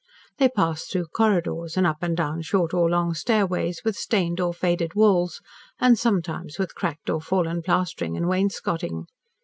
They passed through corridors, and up and down short or long stairways, with stained or faded walls, and sometimes with cracked or fallen plastering and wainscotting.